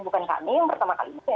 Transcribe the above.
bukan kami yang pertama kali